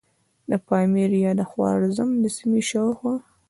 د پامیر یا د خوارزم د سیمې شاوخوا.